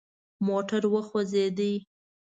موټر وخوځید.